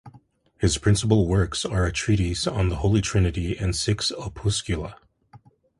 His principal works are a treatise on the Holy Trinity and six "Opuscula".